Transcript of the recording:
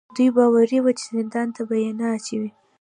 دوی باوري وو چې زندان ته به یې نه اچوي.